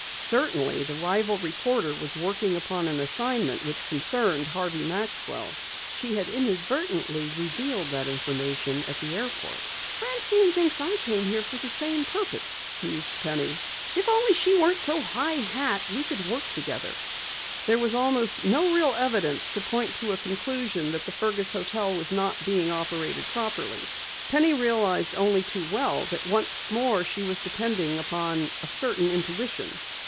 Certainly the rival reporter was working upon an assignment which concerned Harvey Maxwell. She inadvertently had revealed that fact at the Riverview airport. "Francine thinks I came here for the same purpose," mused Penny. "If only she weren't so high hat we could work together." There was almost no real evidence to point to a conclusion that the Fergus hotel was not being operated properly. Penny realized only too well that once more she was depending upon a certain intuition.